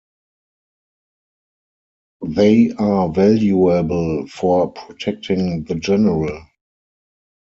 They are valuable for protecting the general.